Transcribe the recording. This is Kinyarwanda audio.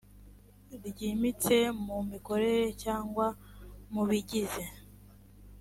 ryimbitse mu mikorere cyangwa mu bigize